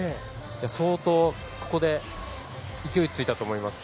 相当、ここで勢いがついたと思います。